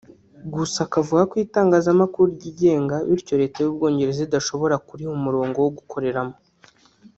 gusa akavuga ko itangazamakuru ryigenga bityo Leta y’u Bwongereza idashobora kuriha umurongo wo gukoreramo